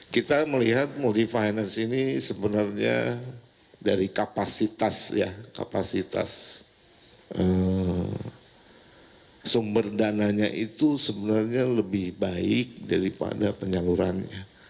kita melihat multifine ini sebenarnya dari kapasitas sumber dananya itu sebenarnya lebih baik daripada penyeluruhannya